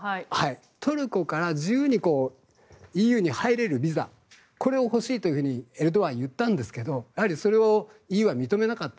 トルコから自由にＥＵに入れるビザを欲しいというふうにエルドアンが言ったんですがそれをＥＵは認めなかった。